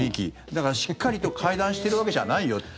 だから、しっかりと会談してるわけじゃないよと。